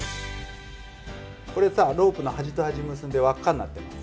これさロープの端と端結んで輪っかになってます。